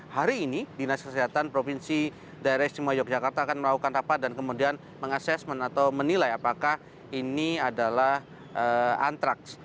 hari ini dinas kesehatan provinsi daerah istimewa yogyakarta akan melakukan rapat dan kemudian mengasessment atau menilai apakah ini adalah antraks